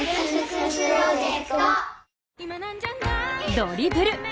ドリブル！